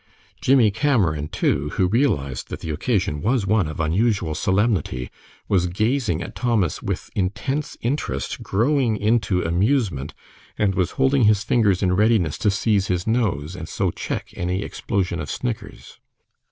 Jimmie Cameron, too, who realized that the occasion was one of unusual solemnity, was gazing at Thomas with intense interest growing into amusement, and was holding his fingers in readiness to seize his nose, and so check any explosion of snickers.